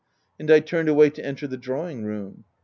And I turned away to enter the drawing room.